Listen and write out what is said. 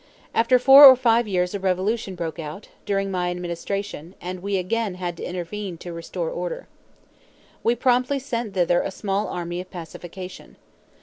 After four or five years a revolution broke out, during my administration, and we again had to intervene to restore order. We promptly sent thither a small army of pacification.